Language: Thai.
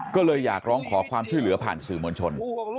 ก็เลยอยากร้องขอความช่วยเหลือผ่านสื่อมวลชน